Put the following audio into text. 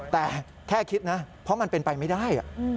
แต่แค่คิดนะเพราะมันเป็นไปไม่ได้